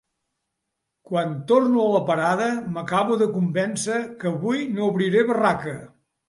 Quan torno a la parada m'acabo de convèncer que avui no obriré barraca.